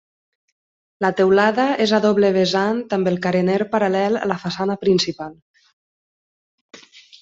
La teulada és a doble vessant amb el carener paral·lel a la façana principal.